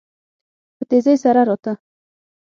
په تيزی سره راته.